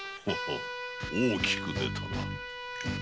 ほう大きくでたな。